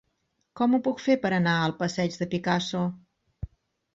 Com ho puc fer per anar al passeig de Picasso?